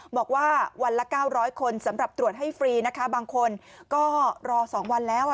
บอกว่าวันละ๙๐๐คนสำหรับตรวจให้ฟรีนะคะบางคนก็รอ๒วันแล้ว